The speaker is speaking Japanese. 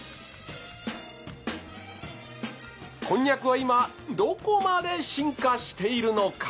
こんにゃくは今どこまで進化しているのか。